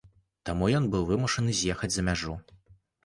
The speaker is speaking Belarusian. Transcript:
Таму ён быў вымушаны з'ехаць за мяжу.